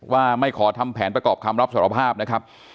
ไม่ขอทำแผนประกอบคำรับสารภาพนะครับ